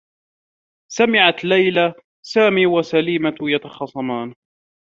سمعت ليلى سامي و سليمة يتخاصمان.